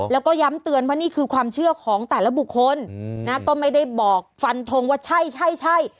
แล้วก็ย้ำเตือนว่านี่คือความเชื่อของแต่ละบุคคลนะก็ไม่ได้บอกฟันทงว่าใช่ใช่